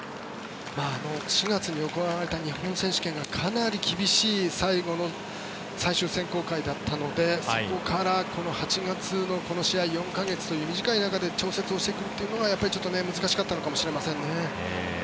４月に行われた日本選手権がかなり厳しい最後の最終選考会だったのでそこから、８月のこの試合４か月という短い中で調節をしてくるのは難しかったのかもしれませんね。